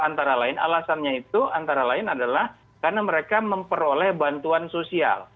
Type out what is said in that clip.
antara lain alasannya itu antara lain adalah karena mereka memperoleh bantuan sosial